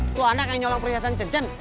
itu anak yang nyolong perhiasan cen cen